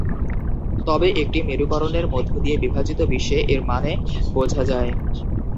তবে একটি মেরুকরণের মধ্য দিয়ে বিভাজিত বিশ্বে এর মানে বোঝা যায়।